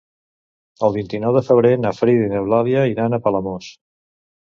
El vint-i-nou de febrer na Frida i n'Eulàlia iran a Palamós.